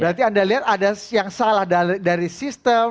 berarti anda lihat ada yang salah dari sistem